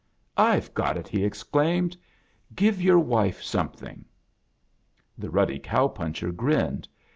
"I've got itl" be exclaimed; "give your wife something." The ruddy cow puncher grinned.